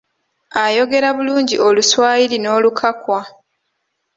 Ayogera bulungi Oluswayiri n'Olukakwa.